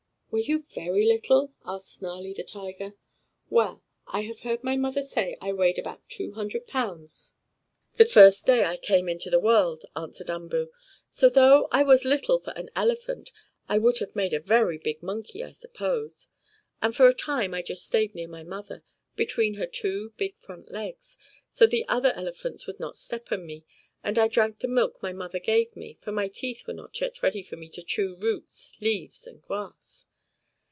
"Were you very little?" asked Snarlie the tiger. "Well, I have heard my mother say I weighed about two hundred pounds the first day I came into the world," answered Umboo. "So, though I was little for an elephant, I would have made a very big monkey, I suppose. And for a time I just stayed near my mother, between her two, big front legs, so the other elephants would not step on me, and I drank the milk my mother gave me, for my teeth were not yet ready for me to chew roots, leaves and grass."